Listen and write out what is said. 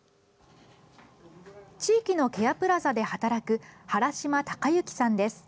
地域のケアプラザで働く原島隆行さんです。